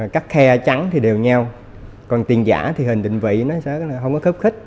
các khe trắng thì đều nhau còn tiền giả thì hình định vị nó sẽ không có khớp khích